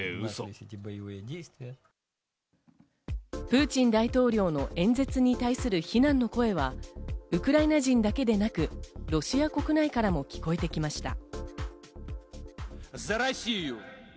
プーチン大統領の演説に対する非難の声はウクライナ人だけでなく、ロシア国内からも聞こえてきました。